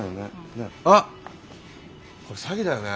あっこれ詐欺だよね。